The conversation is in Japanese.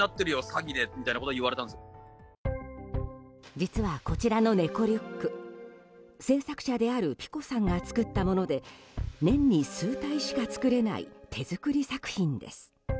実は、こちらの猫リュック制作者であるｐｉｃｏさんが作ったもので年に数体しか作れない手作り作品です。